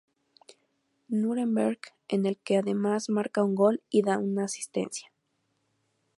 Núremberg, en el que además marca un gol y da un asistencia.